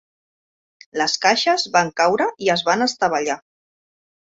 Les caixes van caure i es van estavellar.